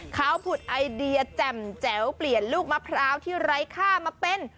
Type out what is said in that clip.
เขาผุดไอเดียแจ่มแจ๋วเปลี่ยนลูกมะพร้าวที่ไร้ค่ามาเป็น